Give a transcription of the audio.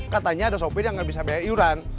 katanya ada sopir yang nggak bisa bayar iuran